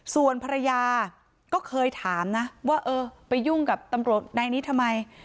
ส่วนภรรยาก็เคยถามนะว่าเออไปยุ่งกับตำรวจนายนี้ทำไม